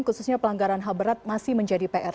khususnya pelanggaran ham berat masih menjadi pr